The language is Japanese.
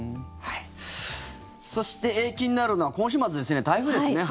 そして気になるのは今週末ですよね、台風ですね。